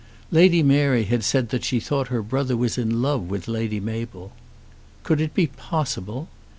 Lady Mary had said that she thought her brother was in love with Lady Mabel. Could it be possible?